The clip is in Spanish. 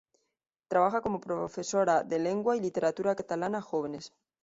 Trabaja como profesora de lengua y literatura catalana a jóvenes.